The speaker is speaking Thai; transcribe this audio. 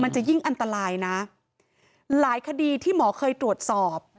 จะยิ่งอันตรายนะหลายคดีที่หมอเคยตรวจสอบ